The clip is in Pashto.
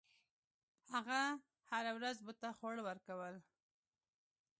هغه هره ورځ بت ته خواړه ورکول.